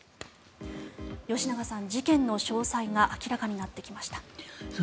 吉永さん、事件の詳細が明らかになってきました。